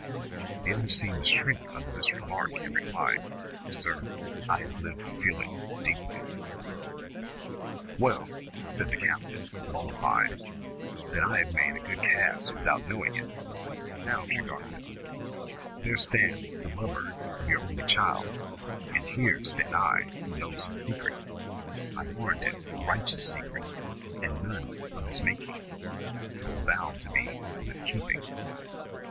The other seemed to shrink under this remark, and replied, "Sir, I have lived to feel it deeply." "Wa'al," said the captain, mollified, "then I've made a good cast without knowing it. Now, Tregarthen, there stands the lover of your only child, and here stand I who know his secret. I warrant it a righteous secret, and none of his making, though bound to be of his keeping.